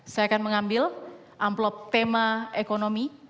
saya akan mengambil amplop tema ekonomi